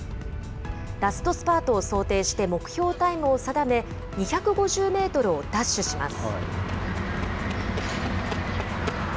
ラストスパートを想定して、目標タイムを定め、２５０メートルをダッシュします。